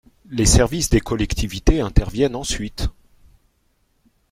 Les services des collectivités interviennent ensuite.